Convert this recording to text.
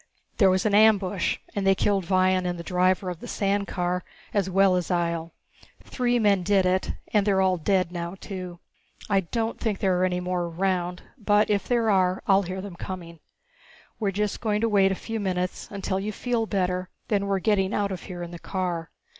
There was an ambush and they killed Vion and the driver of the sand car, as well as Ihjel. Three men did it and they're all dead now too. I don't think there are any more around, but if there are I'll hear them coming. We're just going to wait a few minutes until you feel better, then we're getting out of here in the car."